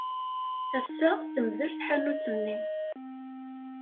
Ass-a, temdel tḥanut-nni.